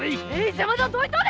邪魔だ何のどいておれ！